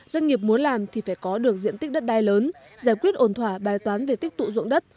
doanh nghiệp muốn làm thì phải có được diện tích đất đai lớn giải quyết ổn thỏa bài toán về tích tụ dụng đất